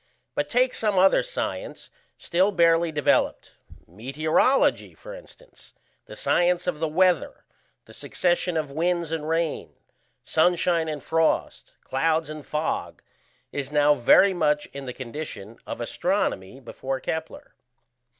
But take some other science still barely developed: meteorology, for instance. The science of the weather, the succession of winds and rain, sunshine and frost, clouds and fog, is now very much in the condition of astronomy before Kepler.